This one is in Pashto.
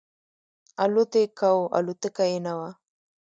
الوت یې کاو الوتکه یې نه وه.